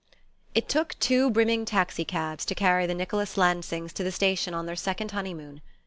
IT took two brimming taxi cabs to carry the Nicholas Lansings to the station on their second honey moon.